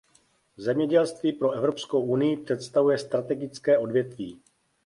Zemědělství pro Evropskou unii představuje strategické odvětví.